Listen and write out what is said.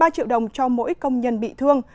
ba triệu đồng cho mỗi công nhân bị thương